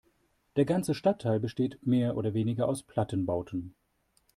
Der ganze Stadtteil besteht mehr oder weniger aus Plattenbauten.